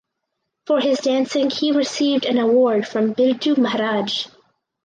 For his dancing he received an award from Birju Maharaj.